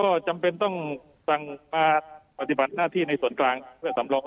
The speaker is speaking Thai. ก็จำเป็นต้องมาศิษย์หน้าที่ในส่วนกลางเพื่อสำรอง